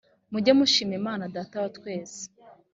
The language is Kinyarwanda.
mujye mushima imana data wa twese